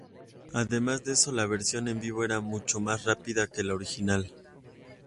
Además de eso la versión en vivo era mucho más rápida que la original.